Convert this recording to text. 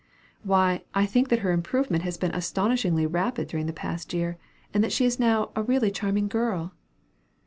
"Why, I think that her improvement has been astonishingly rapid during the past year; and that she is now a really charming girl."